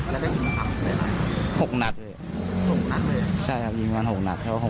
แล้วก็ยิงสามเลยหรือ